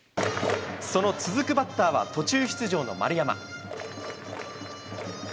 その続くバッターは、途中出場の丸山。